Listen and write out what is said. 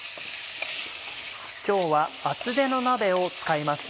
今日は厚手の鍋を使います